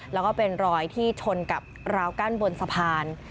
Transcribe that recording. แล้วก็เป็นรอยที่ชนกับราวกั้นบนสะพาน